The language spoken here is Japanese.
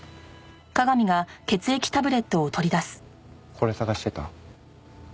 これ捜してた？